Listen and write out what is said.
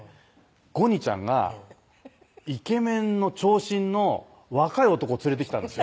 ゴニちゃんがイケメンの長身の若い男を連れてきたんですよ